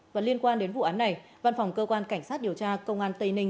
và liên quan đến vụ án này văn phòng cơ quan cảnh sát điều tra công an tây ninh